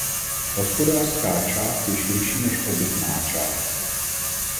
Hospodářská část je širší než obytná část.